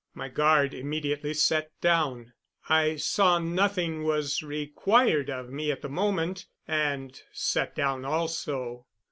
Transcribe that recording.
My guard immediately sat down. I saw nothing was required of me at the moment, and sat down also.